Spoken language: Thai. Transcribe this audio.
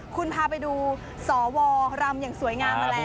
คุณพาไปดูสวรำอย่างสวยงามมาแล้ว